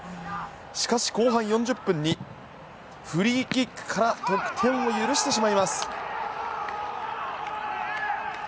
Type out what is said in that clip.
しかし、後半４０分にフリーキックから得点を許してしまいます。